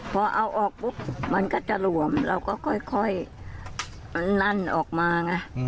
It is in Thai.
พอเอาออกปุ๊บมันก็จะหลวมเราก็ค่อยมันลั่นออกมาไง